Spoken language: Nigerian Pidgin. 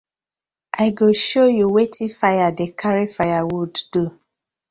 I go show yu wetin fire dey karry firewood do.